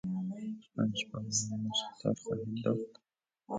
آیا شما بمن مشق تار خواهید داد